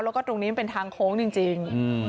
แล้วก็ตรงนี้มันเป็นทางโค้งจริง